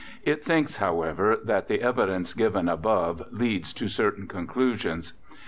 It thinks, however, that the evidence given above leads to certain conclusions.